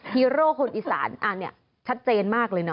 ฮีโร่คนอีสานอันนี้ชัดเจนมากเลยเนาะ